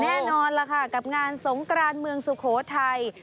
แน่นอนล่ะค่ะกับงานสงกรานเมืองสุโขทัย